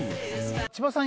千葉さん